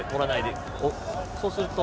そうすると。